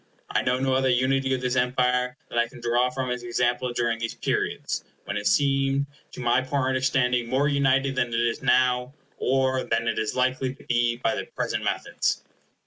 I know no other unity of this Empire than I can draw from its example during these periods, when it seemed to my poor understanding more united than it is now, or than it is likely to be by the present methods.